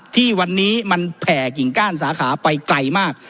ที่วันนี้มันแผ่กิ่งก้านสาขาไปไกลมาก